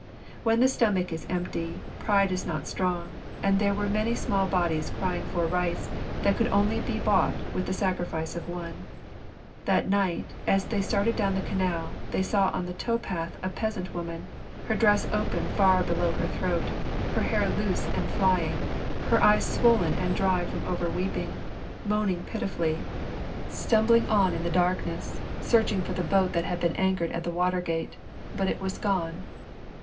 When the stomach is empty, pride is not strong, and there were many small bodies crying for rice that could only be bought with the sacrifice of one. That night, as they started down the canal, they saw on the tow path a peasant women, her dress open far below her throat, her hair loose and flying, her eyes swollen and dry from over weeping, moaning pitifully, stumbling on in the darkness, searching for the boat that had been anchored at the water gate; but it was gone.